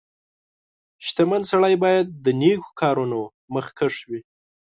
• شتمن سړی باید د نیکو کارونو مخکښ وي.